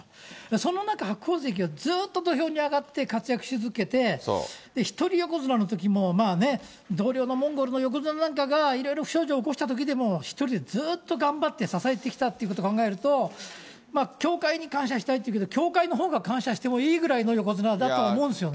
その中、白鵬関はずっと土俵に上がって活躍し続けて、１人横綱のときも、同僚のモンゴルの横綱なんかがいろいろ不祥事を起こしたときでも、１人でずっと頑張って支えてきたっていうことを考えると、協会に感謝したいっていうけど、協会のほうが感謝してもいいぐらいの横綱だと思うんですよね。